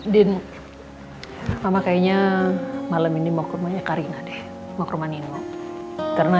din mama kayaknya malam ini mau ke rumahnya karina deh mau ke rumah nino karena